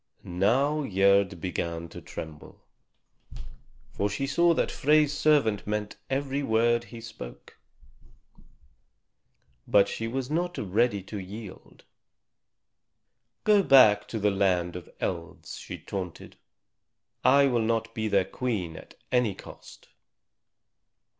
Now Gerd began to tremble, for she saw that Frey's servant meant every word that he spoke. But she was not ready to yield. "Go back to the land of Elves," she taunted; "I will not be their Queen at any cost."